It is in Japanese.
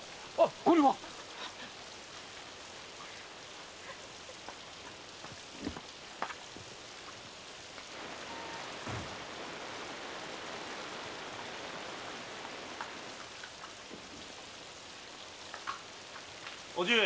これは！おじ上！